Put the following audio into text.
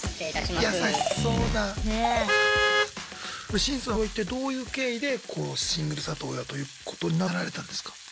シンさんは一体どういう経緯でシングル里親ということになられたんですか？